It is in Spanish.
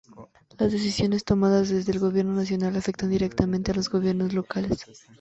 Las decisiones tomadas desde el Gobierno Nacional afectan directamente a los gobiernos locales.